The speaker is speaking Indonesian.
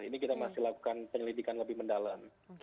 ini kita masih lakukan penyelidikan lebih mendalam